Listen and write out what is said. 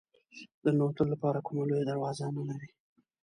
د ننوتلو لپاره کومه لویه دروازه نه لري.